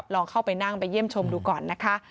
ลองเข้าไปนั่งไปเยี่ยมชมดูก่อนนะคะ